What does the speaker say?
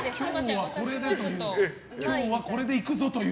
今日は、これで行くぞという。